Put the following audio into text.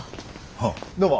ああどうも。